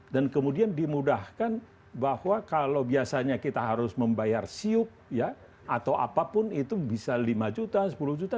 dan kemudian dimudahkan bahwa kalau biasanya kita harus membayar siup ya atau apapun itu bisa lima juta sepuluh juta